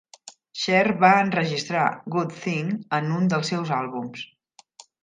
Cher va enregistrar "Good Thing" en un dels seus àlbums.